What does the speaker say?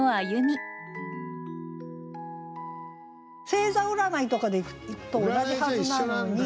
星座占いとかでいくと同じはずなのに。